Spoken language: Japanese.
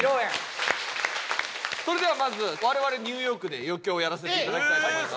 それではまず我々ニューヨークで余興をやらせていただきたいと思います。